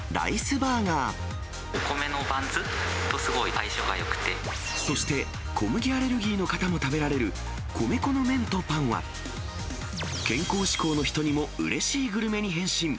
お米のバンズとすごい相性がそして、小麦アレルギーの方も食べられる米粉の麺とパンは、健康志向の人にもうれしいグルメに変身。